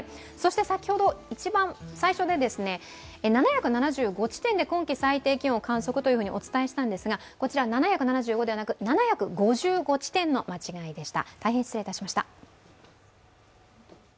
先ほど一番最初で７７５地点で今季最低気温を観測とお伝えしたんですがこちらは７７５ではなく７５５地点の間近いでした。